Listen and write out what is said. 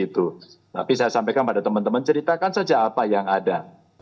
tapi saya sampaikan pada teman teman ceritakan saja apa yang ada